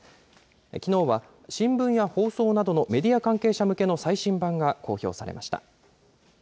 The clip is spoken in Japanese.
きのうは新聞や放送などのメディア関係者向けの最新版が公表されました。